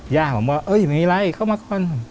ย่าผมบอกเอาเลยไม่มีไรเข้ามาต่อ